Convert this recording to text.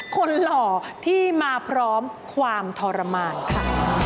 หล่อที่มาพร้อมความทรมานค่ะ